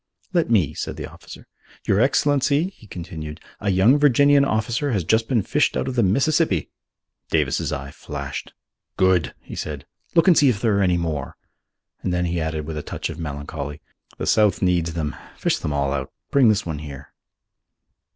"Let me," said the officer. "Your Excellency," he continued, "a young Virginian officer has just been fished out of the Mississippi." Davis's eye flashed. "Good!" he said. "Look and see if there are many more," and then he added with a touch of melancholy, "The South needs them: fish them all out. Bring this one here."